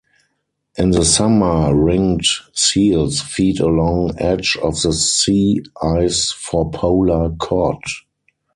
In the summer ringed seals feed along edge of the sea-ice for polar cod.